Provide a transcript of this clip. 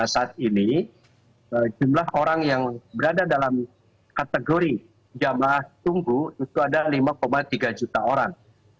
saat ini jumlah orang yang berada dalam kategori jamaah tunggu itu ada lima tiga juta orang